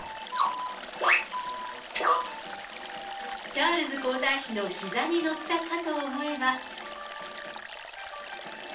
チャールズ皇太子のひざに乗ったかと思えば。